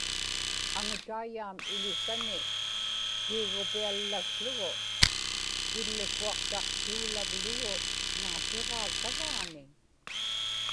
aŋutaiyaam iḷisani piigupiallakługu, killukuaqtaqtuuluvlugu naatiġaa savaani